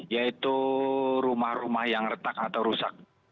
yaitu rumah rumah yang retak atau rusak